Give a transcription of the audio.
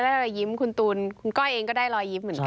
รอยยิ้มคุณตูนคุณก้อยเองก็ได้รอยยิ้มเหมือนกัน